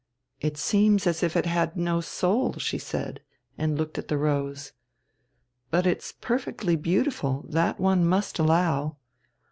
"It seems as if it had no soul," she said, and looked at the rose. "But it's perfectly beautiful, that one must allow.